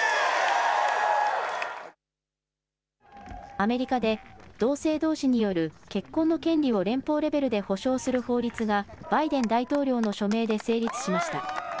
アメリカで同性どうしによる結婚の権利を連邦レベルで保障する法律がバイデン大統領の署名で成立しました。